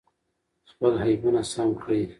خپل عیبونه سم کړئ.